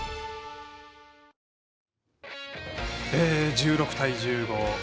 １６対１５。